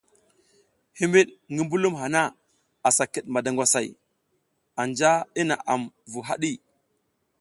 Himiɗ ngi mbulum hana asa kiɗ madangwasay, anja i naʼam vu haɗi.